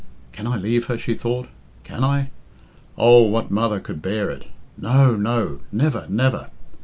"Can I leave her?" she thought. "Can I? Oh, what mother could bear it? No, no never, never!